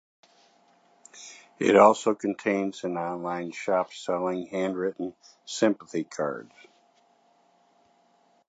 It also contains an online shop selling handwritten sympathy cards.